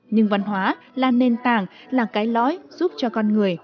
nhưng văn hóa là nền tảng là cái lõi giúp cho con người